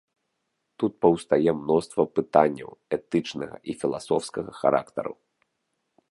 Тут паўстае мноства пытанняў этычнага і філасофскага характару.